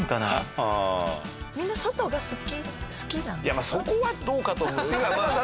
いやそこはどうかと思う。